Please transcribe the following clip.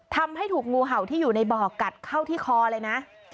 ทำให้ถูกงูเห่าที่อยู่ในบ่อกัดเข้าที่คอเลยนะ